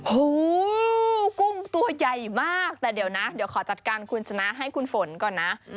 โอ้โหกุ้งตัวใหญ่มากแต่เดี๋ยวนะเดี๋ยวขอจัดการคุณชนะให้คุณฝนก่อนนะ